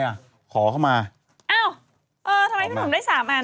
เอ้าทำไมถึงผมได้๓อัน